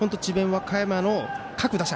和歌山の各打者